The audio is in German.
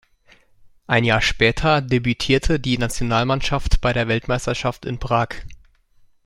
Ein Jahr später debütierte die Nationalmannschaft bei der Weltmeisterschaft in Prag.